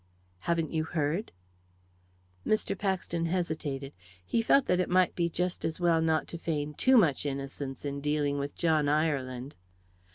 "Haven't you heard?" Mr. Paxton hesitated. He felt that it might be just as well not to feign too much innocence in dealing with John Ireland.